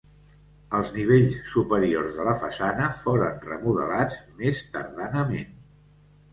Els nivells superiors de la façana foren remodelats més tardanament.